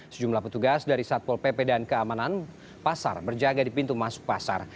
sejumlah petugas dari satpol pp dan keamanan pasar berjaga di pintu masuk pasar